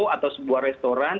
atau sebuah restoran